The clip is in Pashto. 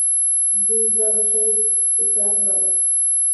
دوى دغه شى اپرات باله.